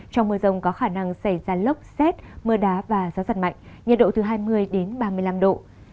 trong mưa rông có khả năng xảy ra lốc xét mưa đá và gió giật mạnh nhiệt độ từ hai mươi đến ba mươi năm độ